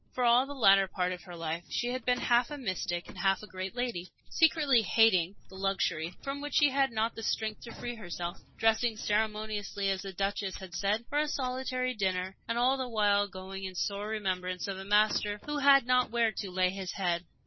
For all the latter part of her life she had been half a mystic and half a great lady, secretly hating the luxury from which she had not the strength to free herself, dressing ceremoniously, as the Duchess had said, for a solitary dinner, and all the while going in sore remembrance of a Master who "had not where to lay his head."